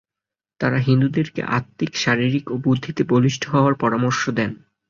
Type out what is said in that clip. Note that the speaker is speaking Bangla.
তাঁরা হিন্দুদেরকে আত্মিক, শারীরিক ও বুদ্ধিতে বলিষ্ঠ হওয়ার পরামর্শ দেন।